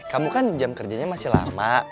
kamu kan jam kerjanya masih lama